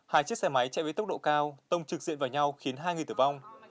hai chiếc xe máy chạy với tốc độ cao tông trực diện vào nhau khiến hai người tử vong